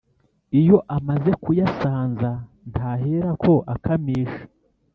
Iyo amaze kuyasanza ntaherako akamisha